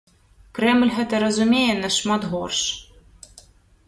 Крэмль гэта разумее нашмат горш.